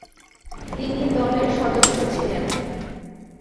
তিনি দলের সদস্য ছিলেন।